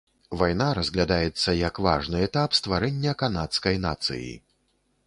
Вайна разглядаецца як важны этап стварэння канадскай нацыі.